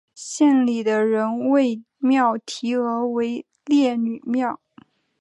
县里的人为庙题额为烈女庙。